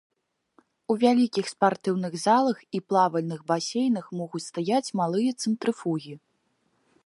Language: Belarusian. У вялікіх спартыўных залах і плавальных басейнах могуць стаяць малыя цэнтрыфугі.